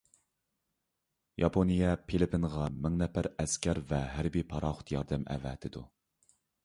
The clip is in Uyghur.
ياپونىيە فىلىپپىنغا مىڭ نەپەر ئەسكەر ۋە ھەربىي پاراخوت ياردەم ئەۋەتىدۇ.